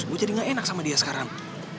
gue jadi gak enak sama dia sekarang